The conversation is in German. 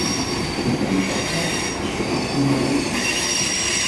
Sein Wasser ist stark mineralisiert.